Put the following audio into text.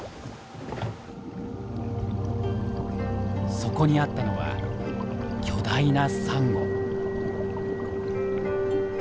そこにあったのは巨大なサンゴ。